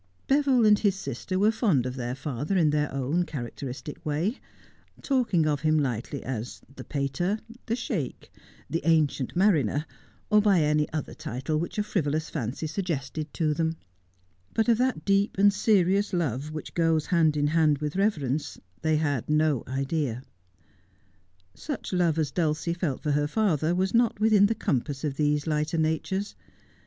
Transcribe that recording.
Beville and his sister were fond of their father in their own characteristic way — talking of him lightly as the Pater, the Sheik, the Ancient Mariner, or by any other title which a frivolous fancy suggested to them ; but of that deep and serious love which goes hand in hand with reverence they had no idea. Such love as Dulcie felt for her fathei was not within the compass of these lighter natures.